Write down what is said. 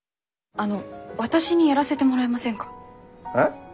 あの私にやらせてもらえませんか？